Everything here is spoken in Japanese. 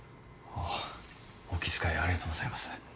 あお気遣いありがとうございます。